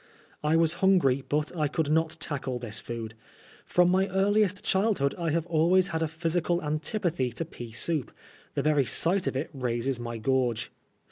I was hungry, but I conld not tackle this food. From my earliest childhood I have always had a physical antipathy to pea sonp. The very sight of it raises my gorge.